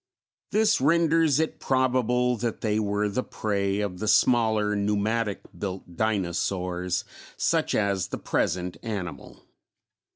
This renders it probable that they were the prey of the smaller pneumatic built dinosaurs such as the present animal.